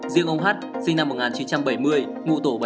riêng ông hát sinh năm một nghìn chín trăm bảy mươi ngụ tổ bảy mươi